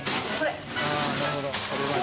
あなるほど。